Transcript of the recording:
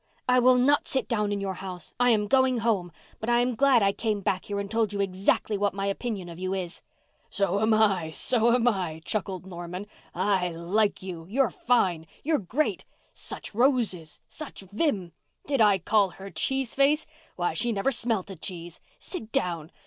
"I will not sit down in your house. I am going home. But I am glad I came back here and told you exactly what my opinion of you is." "So am I—so am I," chuckled Norman. "I like you—you're fine—you're great. Such roses—such vim! Did I call her cheese face? Why, she never smelt a cheese. Sit down.